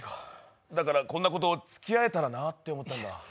だから、こんな子とつきあえたらなって思ったんだ。